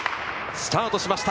スタートしました。